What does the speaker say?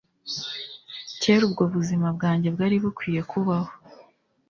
kera ubwo ubuzima bwanjye bwari bukwiye kubaho